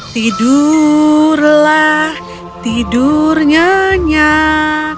tidurlah tidur nyanyak